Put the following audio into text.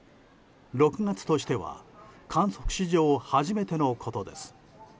６月としては観測史上初めてのことです。